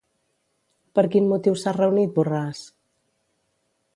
Per quin motiu s'ha reunit Borràs?